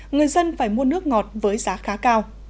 người dân phải mua nước ngọt với giá khá cao